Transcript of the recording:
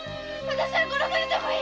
私は殺されてもいい。